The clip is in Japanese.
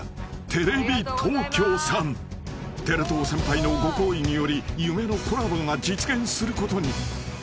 ［テレ東先輩のご厚意により夢のコラボが実現することに］